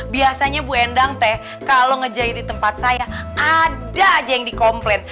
biasanya bu endang teh kalau ngejahit di tempat saya ada aja yang dikomplain